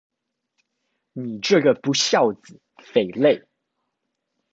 你這個不肖子、匪類